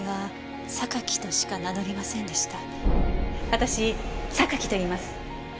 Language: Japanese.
私榊といいます。